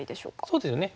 そうですよね。